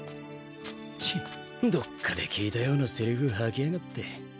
チッどっかで聞いたようなせりふ吐きやがって。